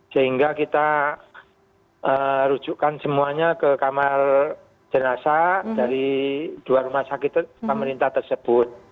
sehingga kita rujukan semuanya ke kamar jenazah dari dua rumah sakit pemerintah tersebut